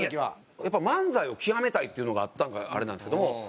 やっぱ漫才を極めたいっていうのがあったのかあれなんですけども。